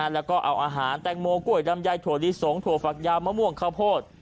แล้วก็เอาอาหารแตงโมกล้วยลำไยถั่วลิสงถั่วฝักยาวมะม่วงข้าวโพด